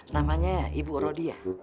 namanya ibu rodia